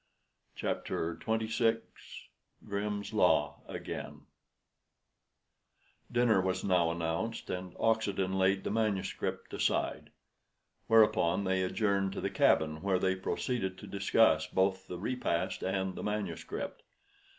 CHAPTER XXVI GRIMM'S LAW AGAIN Dinner was now announced, and Oxenden laid the manuscript aside; whereupon they adjourned to the cabin, where they proceeded to discuss both the repast and the manuscript.